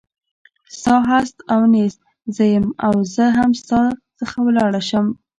ستا هست او نیست زه یم او زه هم ستا څخه ولاړه شم.